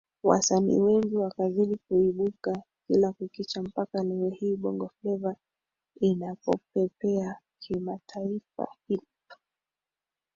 wasanii wengi wakazidi kuibuka kila kukicha mpaka leo hii Bongo Fleva inapopepea kimataifa Hip